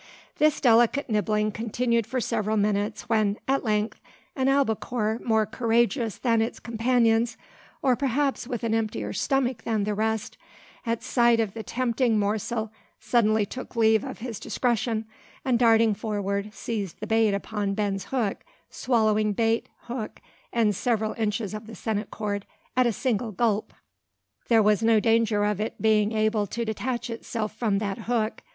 This delicate nibbling continued for several minutes when, at length, an albacore more courageous than its companions, or perhaps with an emptier stomach than the rest, at sight of the tempting morsel suddenly took leave of his discretion; and, darting forward, seized the bait upon Ben's hook, swallowing bait, hook, and several inches of the sennit cord, at a single gulp! There was no danger of its being able to detach itself from that hook.